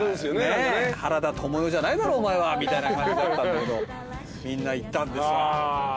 原田知世じゃないだろお前はみたいな感じだったんだけどみんな行ったんです。